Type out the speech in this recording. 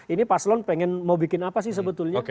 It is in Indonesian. ini paslon pengen mau bikin apa sih sebetulnya